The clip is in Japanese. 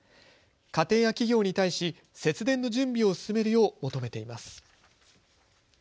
家庭や企業に対して節電の準備を進めるよう求めています。